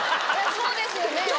そうですよね。